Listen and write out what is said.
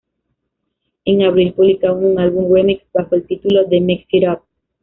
En abril publican un álbum remix bajo el título de "Mix It Up".